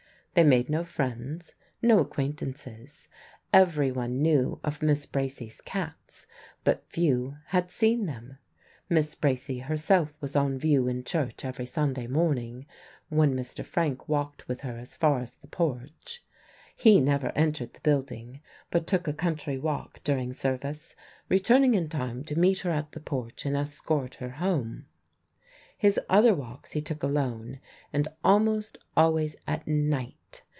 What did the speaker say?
They made no friends, no acquaintances: everyone knew of Miss Bracy's cats, but few had seen them. Miss Bracy herself was on view in church every Sunday morning, when Mr. Frank walked with her as far as the porch. He never entered the building, but took a country walk during service, returning in time to meet her at the porch and escort her home. His other walks he took alone, and almost always at night.